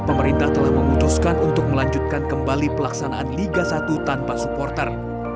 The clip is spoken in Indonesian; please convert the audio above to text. pemerintah telah memutuskan untuk melanjutkan kembali pelaksanaan liga satu tanpa supporter